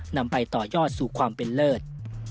นำไปต่อยอดสู่ความเป็นเลิศ